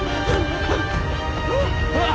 あっ！